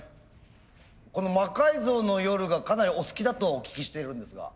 この「魔改造の夜」がかなりお好きだとお聞きしているんですが。